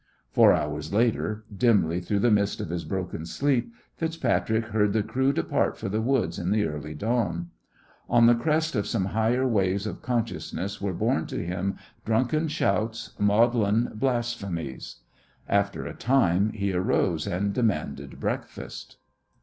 Four hours later, dimly, through the mist of his broken sleep, FitzPatrick heard the crew depart for the woods in the early dawn. On the crest of some higher waves of consciousness were borne to him drunken shouts, maudlin blasphemies. After a time he arose and demanded breakfast.